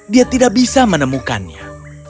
dia tidak bisa menemukannya